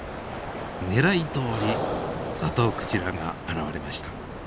狙いどおりザトウクジラが現れました。